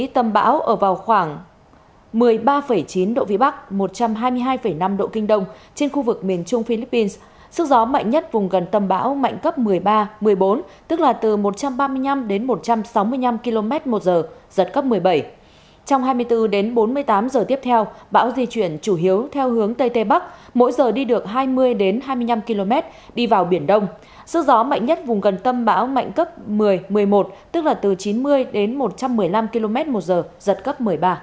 trong hai mươi bốn đến bốn mươi tám giờ tiếp theo bão di chuyển chủ hiếu theo hướng tây tây bắc mỗi giờ đi được hai mươi đến hai mươi năm km đi vào biển đông sức gió mạnh nhất vùng gần tâm bão mạnh cấp một mươi một mươi một tức là từ chín mươi đến một trăm một mươi năm km một giờ giật cấp một mươi ba